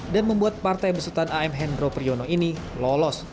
dan membuat partai besutan am hendro priyono ini lolos